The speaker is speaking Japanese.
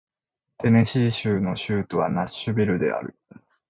テネシー州の州都はナッシュビルである